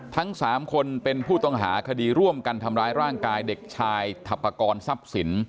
ทั้ง๓คนเป็นผู้ต้องหาคดีร่วมกันทำร้ายร่างกายเด็กชายถัปกรทรัพย์สิน